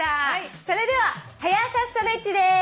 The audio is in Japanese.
それでは「はや朝ストレッチ」です。